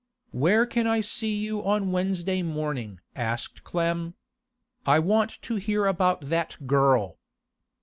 'Where can I see you on Wednesday morning?' asked Clem. 'I want to hear about that girl.